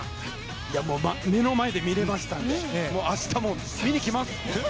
目の前で見れましたので明日も見に来ます！